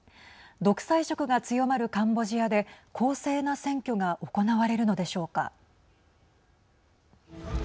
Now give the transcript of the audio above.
独裁色が強まるカンボジアで公正な選挙が行われるのでしょうか。